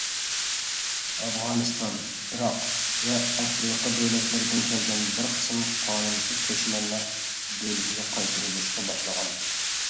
ئافغانىستان، ئىراق ۋە ئافرىقا دۆلەتلىرىدىن كەلگەن بىر قىسىم «قانۇنسىز» كۆچمەنلەر دۆلىتىگە قايتۇرۇلۇشقا باشلىغان.